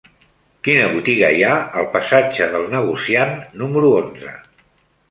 Quina botiga hi ha al passatge del Negociant número onze?